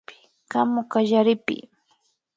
Kamu kallaripi